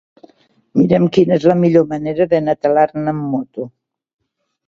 Mira'm quina és la millor manera d'anar a Talarn amb moto.